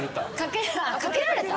かけられた？